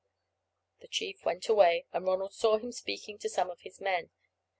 The chief went away, and Ronald saw him speaking to some of his men.